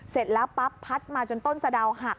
เสร็จแล้วปั๊บพัดมาจนต้นสะดาวหัก